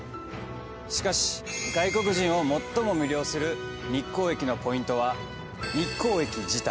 しかし、外国人を最も魅了する日光駅のポイントは日光駅自体。